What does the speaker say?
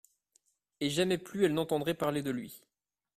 Et jamais plus elle n'entendrait parler de lui.